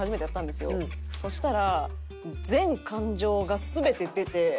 そしたら。